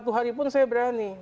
satu hari pun saya berani